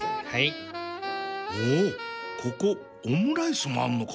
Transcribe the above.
おおっここオムライスもあんのか